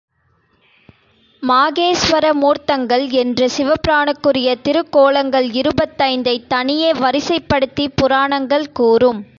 மாகேசுவர மூர்த்தங்கள் என்று சிவபிரானுக்குரிய திருக் கோலங்கள் இருபத்தைந்தைத் தனியே வரிசைப்படுத்திப் புராணங்கள் கூறும்.